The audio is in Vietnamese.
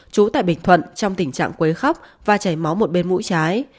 trú tại bình thuận trong tình trạng quấy khóc và chảy máu một bên mũi trái